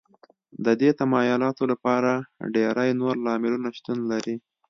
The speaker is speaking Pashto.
د دې تمایلاتو لپاره ډېری نور لاملونو شتون لري